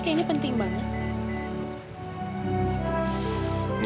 kayaknya penting banget